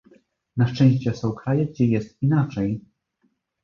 Na szczęście są kraje, gdzie jest inaczej!